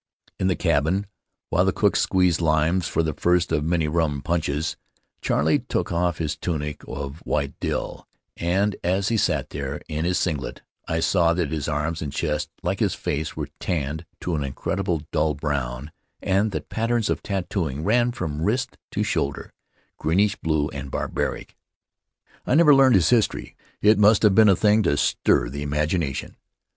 In the cabin, while the cook squeezed limes for the first of many rum punches, Charley took off his tunic of white drill, and as he sat there in his singlet I saw that his arms and chest, like his face, were tanned to an indelible dull brown, and that patterns in tattooing ran from wrist to shoulder — greenish blue and barbaric. I never learned his history — it must have been a thing to stir the imagination.